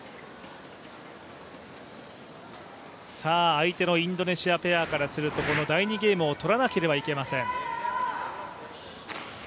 相手のインドネシアペアからするとこの第２ゲームを取らなければいけません。